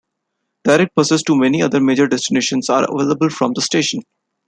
Direct buses to many other major destinations are available from the station.